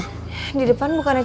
pokoknya udah ber bjok birds siang